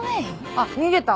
あっ逃げた。